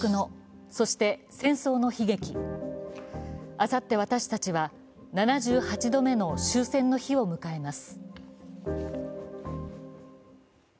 あさって、私たちは７８度目の終戦の日を迎えます。